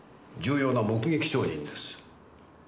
重要な目撃証人です。